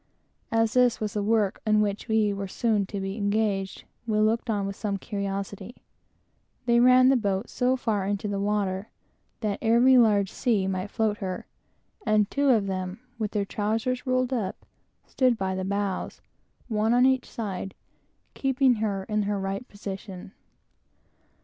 As this was the work in which we were soon to be engaged, we looked on with some curiosity. They ran the boat into the water so far that every large sea might float her, and two of them, with their trowsers rolled up, stood by the bows, one on each side, keeping her in her right position.